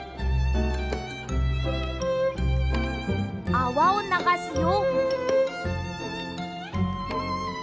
あわをながすよ。